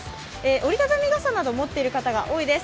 折り畳み傘など持っている方が多いです。